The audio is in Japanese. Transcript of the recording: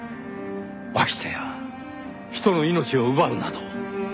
ましてや人の命を奪うなど。